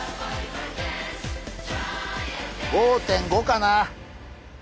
５．５かな。